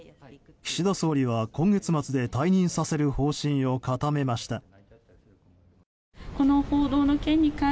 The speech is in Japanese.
岸田総理は今月末で退任させる方針を固めました。